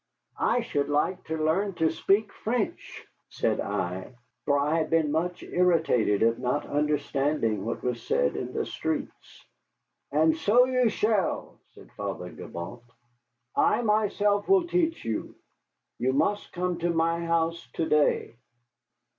"I should like to learn to speak French," said I, for I had been much irritated at not understanding what was said in the streets. "And so you shall," said Father Gibault; "I myself will teach you. You must come to my house to day."